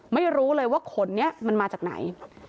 ไม่รู้เลยว่าขนนี้มันมาจากไหน